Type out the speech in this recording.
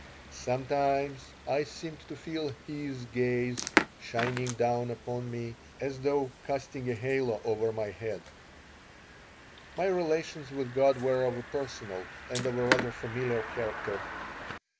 Sometimes I seemed to feel His gaze shining down upon me, as though casting a halo over my bead My relations with God were of a personal and of a rather familiar character.